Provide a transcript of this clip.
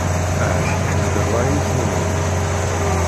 Ahat deg rray i ten-uɣen.